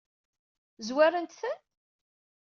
Zwarent-ten?